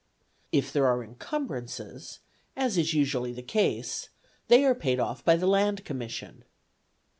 If there are encumbrances, as is usually the case, they are paid off by the Land Commission.